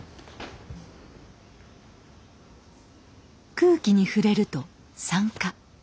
空気に触れると酸化。